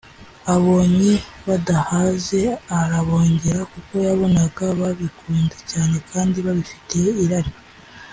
Abonye badahaze arabongera kuko yabonaga babikunze cyane kandi babifitiye irari.